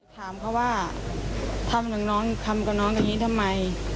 ถามเขาว่าทำอย่างน้องทำกับน้องอย่างนี้ทำไม